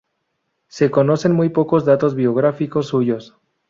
Se conocen muy pocos datos biográficos suyos.